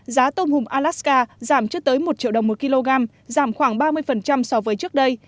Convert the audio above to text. giá tôm hùm alaska giảm trước tới một triệu đồng một kg giảm khoảng ba mươi so với trước đây